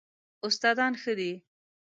استادان ښه دي؟